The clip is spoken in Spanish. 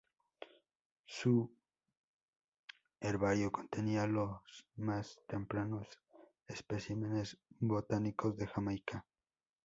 Su herbario contenía los más tempranos especímenes botánicos de Jamaica.